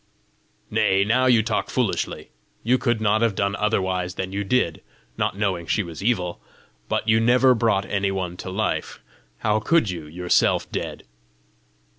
"Nay, now you talk foolishly! You could not have done otherwise than you did, not knowing she was evil! But you never brought any one to life! How could you, yourself dead?"